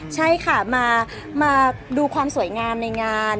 ใช่ค่ะมาดูความสวยงามในงาน